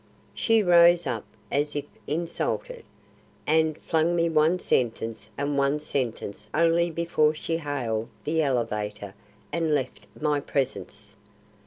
She rose up as if insulted, and flung me one sentence and one sentence only before she hailed the elevator and left my presence.